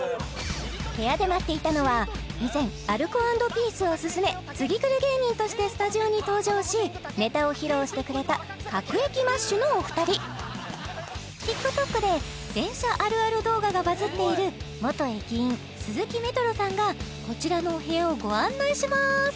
部屋で待っていたのは以前アルコ＆ピースオススメ次くる芸人としてスタジオに登場しネタを披露してくれた各駅マッシュのお二人ＴｉｋＴｏｋで電車あるある動画がバズっている元駅員鈴木メトロさんがこちらのお部屋をご案内します